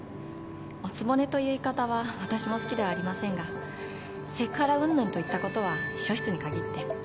お局という言い方はわたしも好きではありませんがセクハラうんぬんといったことは秘書室に限って。